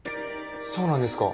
そうなんですか？